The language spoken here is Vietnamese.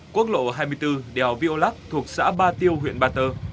quốc lộ hai mươi bốn đèo viô lắc thuộc xã ba tơ